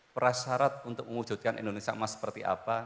prasyarat untuk mewujudkan indonesia emas seperti apa